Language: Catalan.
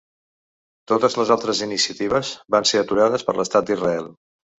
Totes les altres iniciatives van ser aturades per l’estat d’Israel.